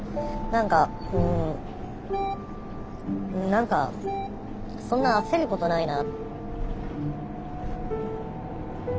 何かうん何かそんな焦ることないな。